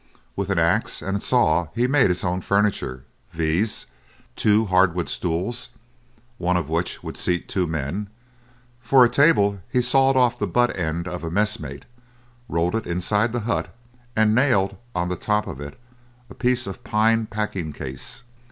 With an axe and saw he made his own furniture viz., two hardwood stools, one of which would seat two men; for a table he sawed off the butt end of a messmate, rolled it inside the hut, and nailed on the top of it a piece of a pine packing case.